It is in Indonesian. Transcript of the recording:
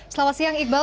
selamat siang iqbal